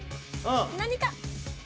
何か！